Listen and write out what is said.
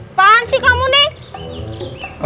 apaan sih kamu nih